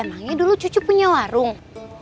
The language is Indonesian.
emangnya dulu cucu punya warung